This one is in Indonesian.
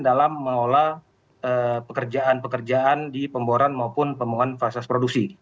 dalam mengelola pekerjaan pekerjaan di pemboran maupun pemohon fasilitas produksi